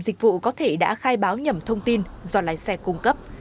dịch vụ có thể đã khai báo nhầm thông tin do lái xe cung cấp